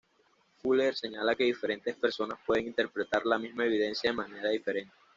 Fuller señala que diferentes personas pueden interpretar la misma evidencia de manera diferente.